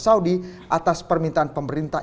saudi atas permintaan pemerintah